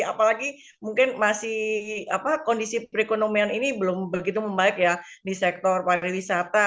apalagi mungkin masih kondisi perekonomian ini belum begitu membaik ya di sektor pariwisata